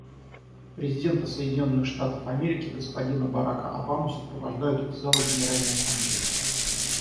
Президента Соединенных Штатов Америки господина Барака Обаму сопровождают из зала Генеральной Ассамблеи.